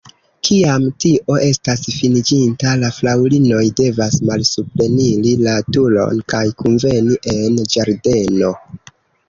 Kiam tio estas finiĝinta, la fraŭlinoj devas malsupreniri la turon kaj kunveni en ĝardeno.